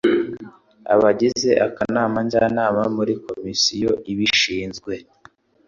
abagize akanama njyanama muri komisiyo ibishinzwe